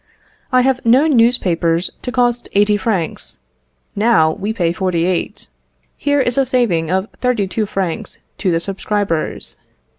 I have known newspapers to cost eighty francs, now we pay forty eight: here is a saving of thirty two francs to the subscribers.